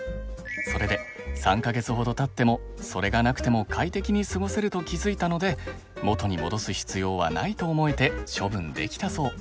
それで３か月ほどたってもそれがなくても快適に過ごせると気づいたので元に戻す必要はないと思えて処分できたそう。